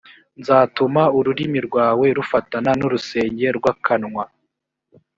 nzatuma ururimi rwawe rufatana n urusenge rw akanwa